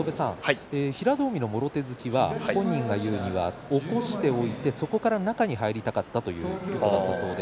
平戸海のもろ手突きは本人が言うには起こしておいてそこから中に入りたかったということです。